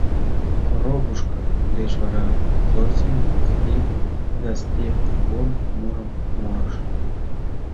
«Коробушка» деч вара Зосим «Степь да степь кругом» мурым мурыш.